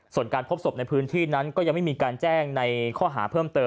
ส่วนการพบศพในพื้นที่นั้นก็ยังไม่มีการแจ้งในข้อหาเพิ่มเติม